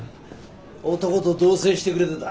男と同棲してくれてた。